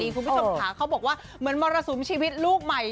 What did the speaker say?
คุณผู้ชมค่ะเขาบอกว่าเหมือนมรสุมชีวิตลูกใหม่